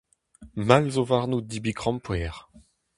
Mall zo warnout debriñ krampouezh.